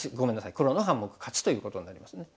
黒の半目勝ちということになりますね。